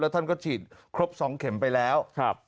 ท่านก็ฉีดครบ๒เข็มไปแล้ว